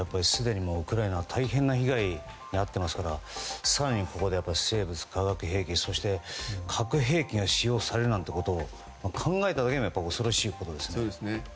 すでにウクライナは大変な被害に遭っていますから更にここで生物・化学兵器そして核兵器が使用されるなんてこと考えただけでも恐ろしいことですよね。